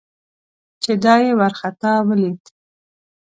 چې دای یې ورخطا ولید.